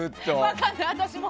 分からない、私も。